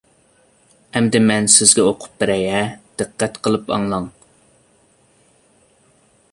ئەمدى مەن سىزگە ئوقۇپ بېرەي، ھە، دىققەت قىلىپ ئاڭلاڭ.